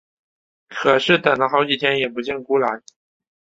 可是等了好几天也不见辜来。